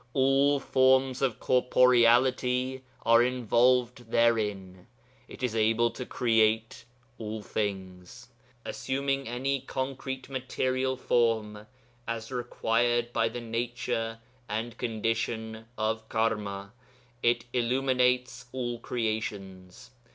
All forms of corporeality are involved therein; it is able to create all things. Assuming any concrete material form, as required by the nature and condition of karma, it illuminates all creations....